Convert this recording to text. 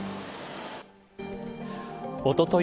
おととい